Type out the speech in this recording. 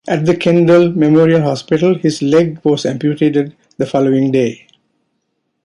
At the Kendal Memorial Hospital, his leg was amputated the following day.